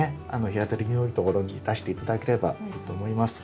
日当たりのよいところに出して頂ければいいと思います。